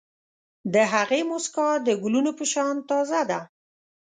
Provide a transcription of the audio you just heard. د هغې موسکا د ګلونو په شان تازه ده.